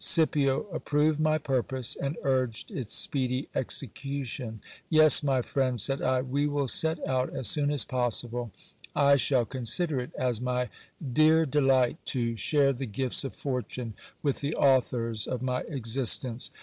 Scipio approved my purpose, and urged its speedy execution. Yes, my friend, said I, we will set out as soon as possible. I shall consider it as my dear delight to GIL BLAS SETS OUT FOR THE ASTURIAS. m share the gifts of fortune with the authors of my existence.